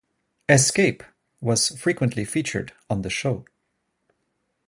Escape, was frequently featured on the show.